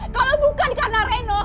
kalau bukan karena reno